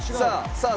さあ！